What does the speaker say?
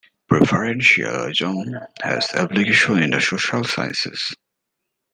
Preferentialism has application in the social sciences.